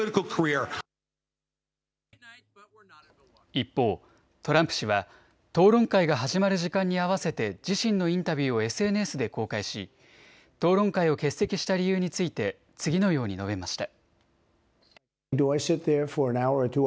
一方、トランプ氏は討論会が始まる時間に合わせて自身のインタビューをＳＮＳで公開し討論会を欠席した理由について次のように述べました。